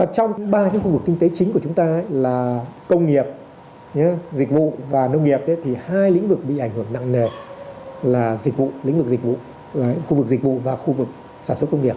trong ba khu vực kinh tế chính của chúng ta là công nghiệp dịch vụ và nông nghiệp thì hai lĩnh vực bị ảnh hưởng nặng nề là khu vực dịch vụ và khu vực sản xuất công nghiệp